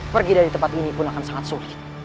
pergi dari tempat ini pun akan sangat sulit